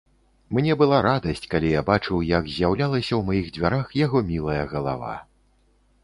Мне была радасць, калі я бачыў, як з'яўлялася ў маіх дзвярах яго мілая галава.